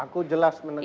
aku jelas mendengar